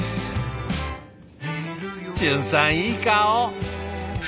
淳さんいい顔！